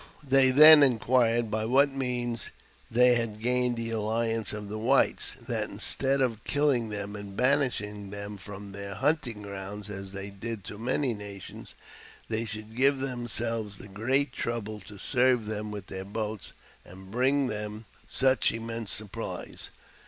They then inquired by what means they had gained the alliance of the whites ; that, instead of killing them and banish ing them from their hunting ground, as they did to many nations, they should give themselves the great trouble to serve them with their boats, and bring them such immense supplies.